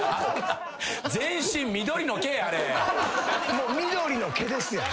もう緑の毛ですやん。